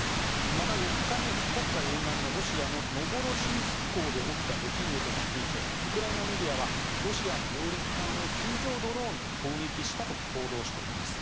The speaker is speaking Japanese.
また、４日に黒海沿岸のロシアのノボロシースク港で起きた出来事についてウクライナメディアはロシアの揚陸艦を水上ドローンで攻撃したと報道しています。